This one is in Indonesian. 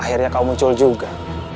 akhirnya kau muncul juga